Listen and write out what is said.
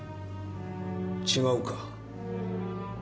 違うか？